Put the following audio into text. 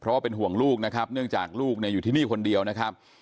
เพราะว่าเป็นห่วงลูกนะครับเนื่องจากลูกเนี่ยอยู่ที่นี่คนเดียวนะครับ